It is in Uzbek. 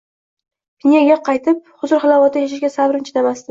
Pinyaga qaytib, huzur-halovatda yashashga sabrim chidamasdi